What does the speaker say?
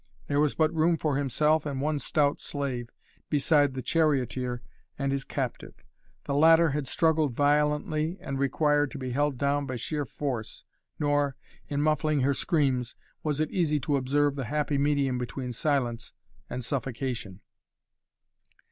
There was but room for himself and one stout slave, beside the charioteer and his captive. The latter had struggled violently and required to be held down by sheer force, nor, in muffling her screams, was it easy to observe the happy medium between silence and suffocation.